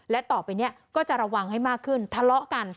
และต่อไปนี้ก็จะระวังให้มากขึ้นทะเลาะกัน